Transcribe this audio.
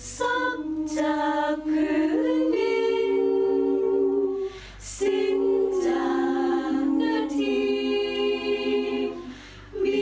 สับจากพื้นดินสิ้นจากหน้าที